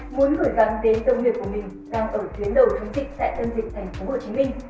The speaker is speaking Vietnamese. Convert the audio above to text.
muốn gửi gắn đến tâm luyện của mình đang ở phía đầu chống dịch tại tân dịch tp hcm